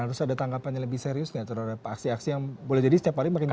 harus ada tanggapan yang lebih serius nggak terhadap aksi aksi yang boleh jadi setiap hari makin banyak